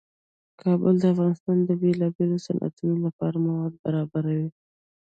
کابل د افغانستان د بیلابیلو صنعتونو لپاره مواد برابروي.